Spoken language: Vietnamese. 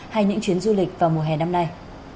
hay những chuyến du lịch vào mùa hè năm nay